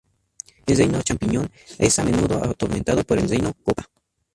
El Reino Champiñón es a menudo atormentado por el Reino Koopa.